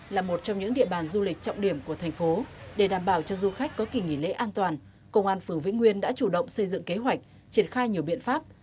là một trong những địa bàn du lịch trọng điểm của thành phố để đảm bảo cho du khách có kỳ nghỉ lễ an toàn công an phường vĩnh nguyên đã chủ động xây dựng kế hoạch triển khai nhiều biện pháp